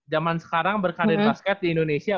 zaman sekarang berkarir basket di indonesia